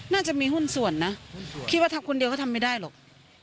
น่าจะมีหุ้นส่วนนะคิดว่าทำคนเดียวก็ทำไม่ได้หรอก